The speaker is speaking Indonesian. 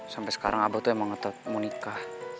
sampai sekarang abah tuh emang tetap mau nikah